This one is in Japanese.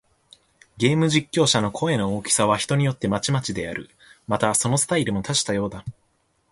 ゲーム実況者の声の大きさは、人によってまちまちである。また、そのスタイルも多種多様だ。